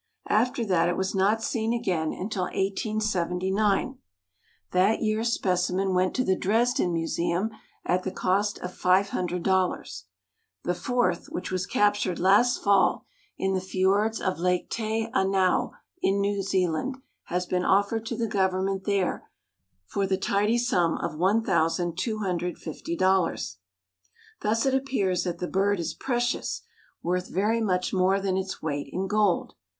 After that it was not seen again until 1879. That year's specimen went to the Dresden museum at the cost of $500. The fourth, which was captured last fall in the fiords of Lake Te Anau, in New Zealand, has been offered to the government there for the tidy sum of $1,250. Thus it appears that the bird is precious; worth very much more than its weight in gold.